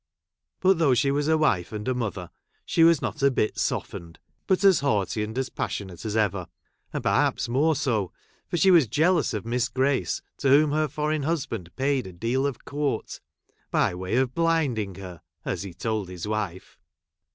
But though she was a wife and a mother, she was not a bit softened, but as haughty and as passionate as ever ; and perhaps more so, for she was jealous of Miss Grace, to whom her foreign husband paid a deal of court — by way of blinding her — as he told his wife.